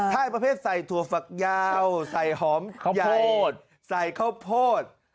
ถ้ายประเภทใส่ถั่วฝักยาวใส่หอมใหญ่ใส่ข้าวโพด